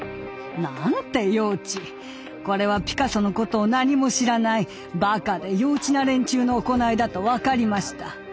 これはピカソのことを何も知らないバカで幼稚な連中の行いだと分かりました。